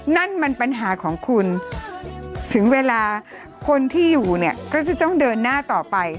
นั่นมันปัญหาของคุณถึงเวลาคนที่อยู่เนี่ยก็จะต้องเดินหน้าต่อไป